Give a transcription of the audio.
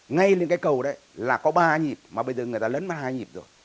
ngay lên cái cầu đấy là có ba nhịp mà bây giờ người ta lấn ba nhịp rồi